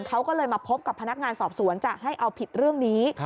เขาก็เลยมาพบกับพนักงานสอบสวนจะให้เอาผิดเรื่องนี้